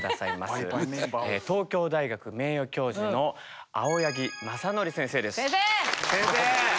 東京大学名誉教授の青柳正規先生です。